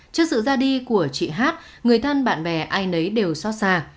trước sự ra đi của chị hát người thân bạn bè ai nấy đều xót xa